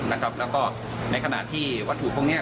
แล้วก็ในขณะที่วัตถุพวกนี้